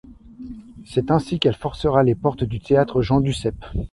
C’est ainsi qu’elle forcera les portes du Théâtre Jean-Duceppe.